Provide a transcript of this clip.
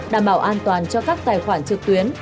đảm bảo an toàn cho các tài khoản trực tuyến